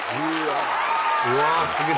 うわあすげえ！